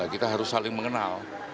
kita harus saling mengenal